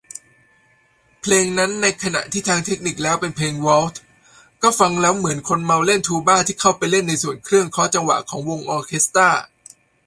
เพลงนั้น ในขณะที่ทางเทคนิคแล้วเป็นเพลงวอลทซ์ ก็ฟังแล้วเหมือนคนเมาเล่นทูบาที่เข้าไปเล่นในส่วนเครื่องเคาะจังหวะของวงออร์เคสตร้า